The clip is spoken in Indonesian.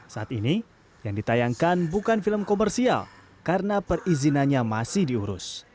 saat ini yang ditayangkan bukan film komersial karena perizinannya masih diurus